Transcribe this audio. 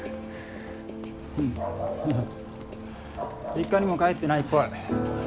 実家にも帰ってないっぽい。